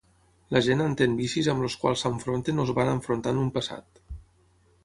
La gent entén vicis amb els quals s'enfronten o es van enfrontar en un passat.